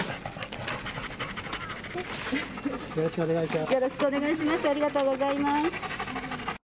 よろしくお願いします。